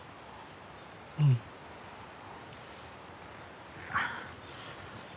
うん。あっ。